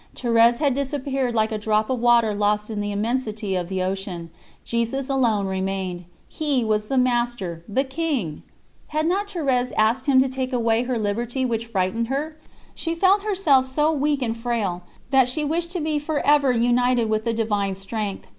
Thérèse had disappeared like a drop of water lost in the immensity of the ocean; Jesus alone remained He was the Master, the King! Had not Thérèse asked Him to take away her liberty which frightened her? She felt herself so weak and frail, that she wished to be for ever united to the Divine Strength.